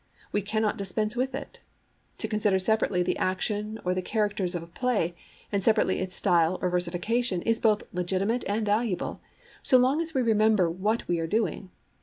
We cannot dispense with it. To consider separately the action or the characters of a play, and separately its style or versification, is both legitimate and valuable, so long as we remember what we are doing.